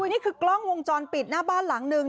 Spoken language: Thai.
นี่คือกล้องวงจรปิดหน้าบ้านหลังนึง